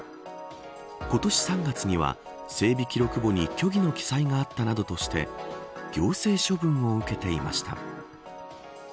今年３月には整備記録簿に虚偽の記載があったなどとして行政処分を受けていました。